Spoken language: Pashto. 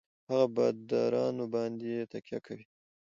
هـغـه بـادارنـو بـانـدې يـې تکيـه کـوي.